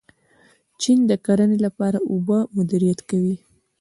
چین د کرنې لپاره اوبه مدیریت کوي.